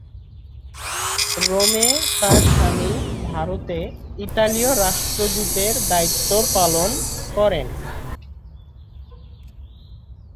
রোমে তার স্বামী ভারতে ইতালীয় রাষ্ট্রদূতের দায়িত্ব পালন করেন।